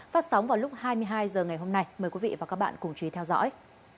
phát sóng vào lúc hai mươi hai h ngày hôm nay mời quý vị và các bạn cùng chú ý theo dõi